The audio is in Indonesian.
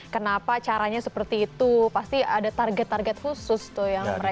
kenapa caranya seperti itu pasti ada target target khusus tuh yang mereka